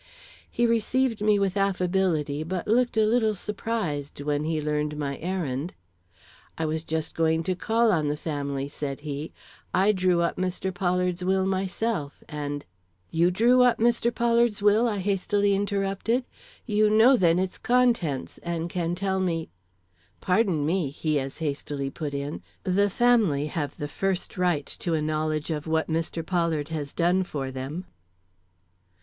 He received me with affability, but looked a little surprised when he learned my errand. "I was just going to call on the family," said he; "I drew up Mr. Pollard's will myself, and " "You drew up Mr. Pollard's will?" I hastily interrupted. "You know, then, its contents, and can tell me " "Pardon me," he as hastily put in, "the family have the first right to a knowledge of what Mr. Pollard has done for them."